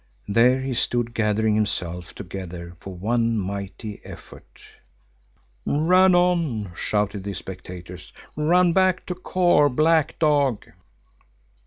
There he stood, gathering himself together for some mighty effort. "Run on!" shouted the spectators. "Run back to Kôr, black dog!"